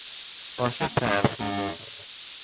آش ترخینه